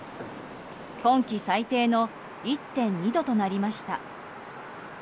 今季最低の１．２度となりました。